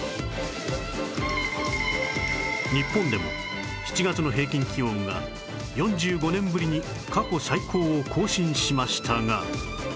日本でも７月の平均気温が４５年ぶりに過去最高を更新しましたが